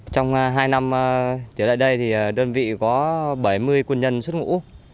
trong hai năm trở lại đây đơn vị có bảy mươi quân nhân xuất ngũ